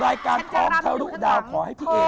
รายการท้องทะลุดาวขอให้พี่เอ